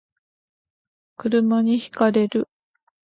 車に轢かれる